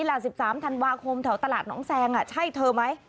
ล่ะ๑๓ธันวาคมแถวตลาดน้องแซงใช่เธอไหม